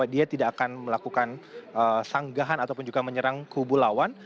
dia tidak akan melakukan sanggahan ataupun juga menyerang kubu lawan